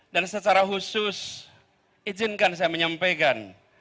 dan secara khusus izinkan saya menyampaikan